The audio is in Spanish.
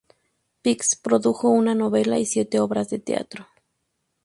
Pix produjo una novela y siete obras de teatro.